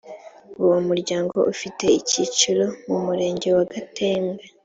uwo muryango ufite icyicaro mu murenge wa gatenga